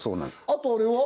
あとあれは？